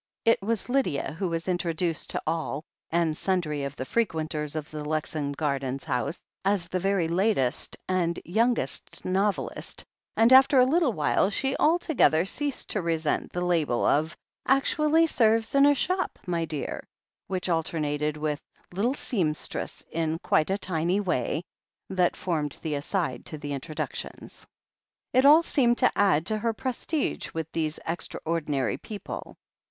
It was Lydia who was introduced to all and sundry of the frequenters of the Lexham Gardens house as the very latest and yoimgest novelist, tod after a little while she altogether ceased to resent the label of "actually serves in a shop, my dear!'* which alter nated with "little seamstress, in quite a tiny way," that formed the aside to the introductions. It all seemed to add to her prestige with these extraordinary people.